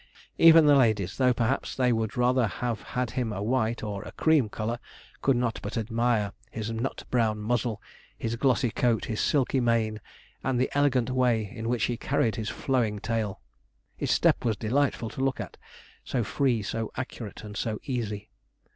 Even the ladies, though perhaps they would rather have had him a white or a cream colour, could not but admire his nut brown muzzle, his glossy coat, his silky mane, and the elegant way in which he carried his flowing tail. His step was delightful to look at so free, so accurate, and so easy.